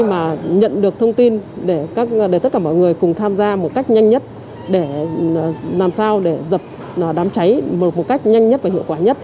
mọi người cùng tham gia một cách nhanh nhất để làm sao để dập đám cháy một cách nhanh nhất và hiệu quả nhất